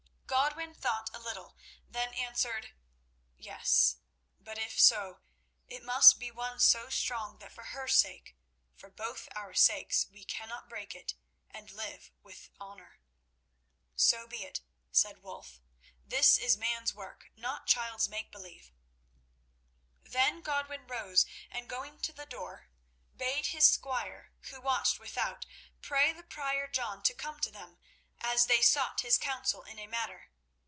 Godwin thought a little, then answered: "Yes; but if so, it must be one so strong that for her sake and for both our sakes we cannot break it and live with honour." "So be it," said Wulf; "this is man's work, not child's make believe." Then Godwin rose, and going to the door, bade his squire, who watched without, pray the Prior John to come to them as they sought his counsel in a matter.